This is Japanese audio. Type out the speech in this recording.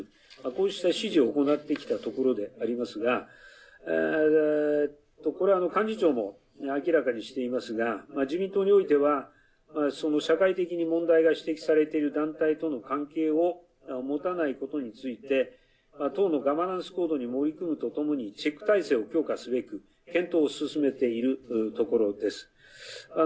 こうした指示を行ってきたところでありますがこれは幹事長も明らかにしていますが、自民党においてはその社会的に問題が指摘されている団体との関係を持たないことについて党のガバナンスコードに盛り込むと共にチェック体制を強化すべく検討を進めているところです。